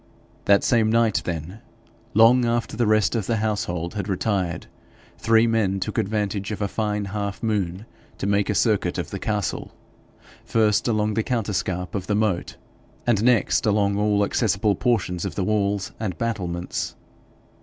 That same night, then, long after the rest of the household had retired, three men took advantage of a fine half moon to make a circuit of the castle, first along the counterscarp of the moat, and next along all accessible portions of the walls and battlements.